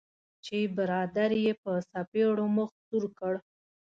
چې برادر یې په څپیړو مخ سور کړ.